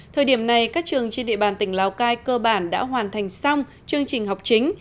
thời điểm này các trường trên địa bàn tỉnh lào cai cơ bản đã hoàn thành xong chương trình học chính